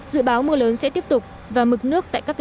dự báo mưa lớn sẽ tiếp tục